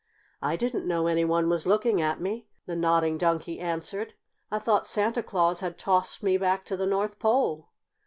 "I didn't know any one was looking at me," the Nodding Donkey answered. "I thought Santa Claus had tossed me back to the North Pole."